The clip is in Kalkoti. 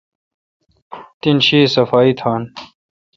تین شی اؘ صفائی تھان۔